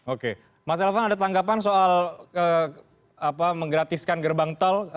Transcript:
oke mas elvan ada tanggapan soal menggratiskan gerbang tol